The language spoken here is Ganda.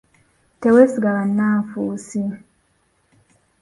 Teweesiga bannanfuusi.